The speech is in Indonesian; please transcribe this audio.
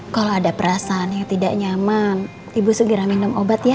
kalau ada perasaan yang tidak nyaman ibu segera minum obat ya